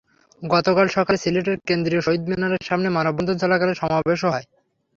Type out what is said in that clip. গতকাল সকালে সিলেটের কেন্দ্রীয় শহীদ মিনারের সামনে মানববন্ধন চলাকালে সমাবেশও হয়।